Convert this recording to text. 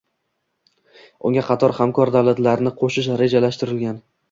Unga qator hamkor davlatlarni qoʻshish rejalashtirilgan.